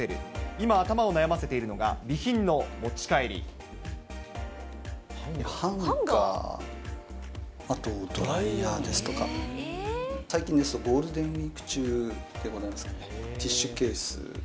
今、頭を悩ハンガー、あとドライヤーですとか、最近ですと、ゴールデンウィーク中でございますけれどもね、ティッシュケース。